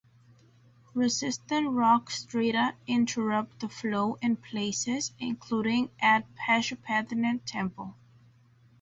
Resistant rock strata interrupt the flow in places, including at Pashupatinath Temple.